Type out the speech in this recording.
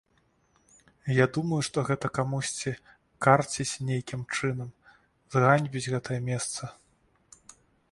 Я думаю, што гэта камусьці карціць нейкім чынам зганьбіць гэтае месца.